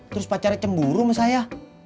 terus pacarnya cemburu sama saya